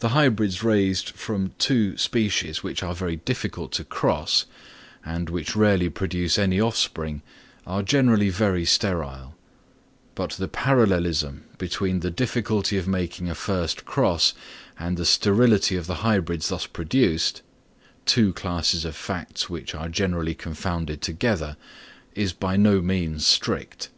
The hybrids raised from two species which are very difficult to cross, and which rarely produce any offspring, are generally very sterile; but the parallelism between the difficulty of making a first cross, and the sterility of the hybrids thus produced—two classes of facts which are generally confounded together—is by no means strict.